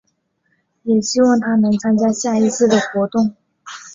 也希望她能参加下一次的活动。